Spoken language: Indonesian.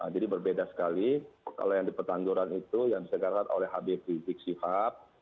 jadi berbeda sekali kalau yang di petangguran itu yang diselenggarakan oleh habib fizik sifat